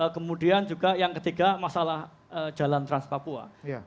kemudian juga yang ketiga masalah jalan trans papua